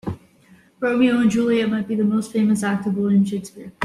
Romeo and Juliet might be the most famous act of William Shakespeare.